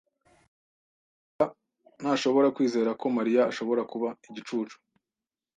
Birasa ntashobora kwizera ko Mariya ashobora kuba igicucu.